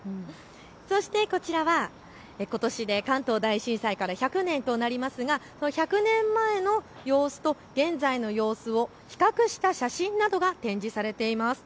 そして、こちらはことしで関東大震災から１００年となりますが１００年前の様子と現在の様子を比較した写真などが展示されています。